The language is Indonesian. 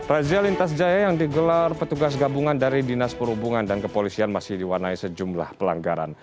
razia lintas jaya yang digelar petugas gabungan dari dinas perhubungan dan kepolisian masih diwarnai sejumlah pelanggaran